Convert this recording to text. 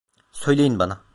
Söyleyin bana…